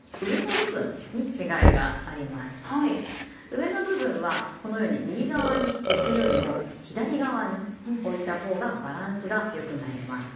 上の部分はこのように右側に置くよりも左側に置いたほうがバランスが良くなります。